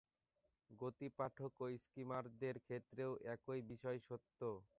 গতি পাঠক ও স্কিমারদের ক্ষেত্রেও একই বিষয় সত্য।